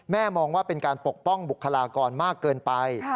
มองว่าเป็นการปกป้องบุคลากรมากเกินไป